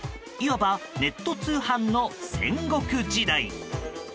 いわばネット通販の戦国時代。